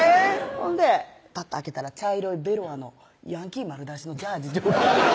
ほんでぱっと開けたら茶色いベロアのヤンキー丸出しのジャージー上下